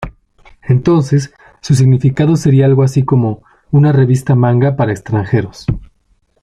Entonces, su significado sería algo así como "Una revista manga para extranjeros".